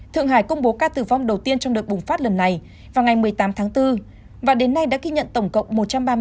thượng hải công bố ca tử vong đầu tiên trong đợt bùng phát lần này vào ngày một mươi tám tháng bốn và đến nay đã ghi nhận tổng cộng một trăm ba mươi ca